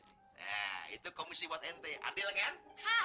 nah itu komisi buat nt adil kan